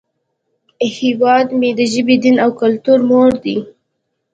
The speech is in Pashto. هیواد مې د ژبې، دین، او کلتور مور دی